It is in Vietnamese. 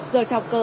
giờ trào cờ